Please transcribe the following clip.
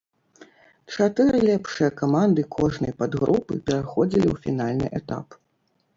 Чатыры лепшыя каманды кожнай падгрупы пераходзілі ў фінальны этап.